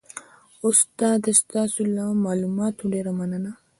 استاده ستاسو له معلوماتو ډیره مننه